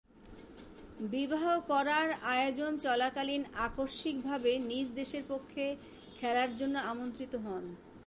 বিবাহ করার আয়োজন চলাকালীন আকস্মিকভাবে নিজ দেশের পক্ষে খেলার জন্যে আমন্ত্রিত হন।